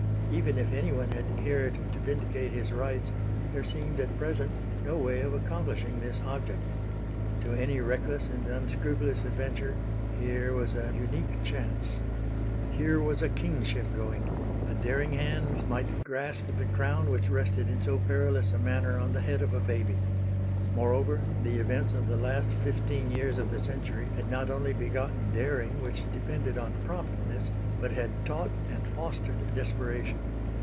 Even if anyone had cared to vindicate his rights there seemed at present no way of accomplishing this object. To any reckless and unscrupulous adventurer here was an unique chance. Here was a kingship going: a daring hand might grasp the crown which rested in so perilous a manner on the head of a baby. Moreover the events of the last fifteen years of the century had not only begotten daring which depended on promptness, but had taught and fostered desperation.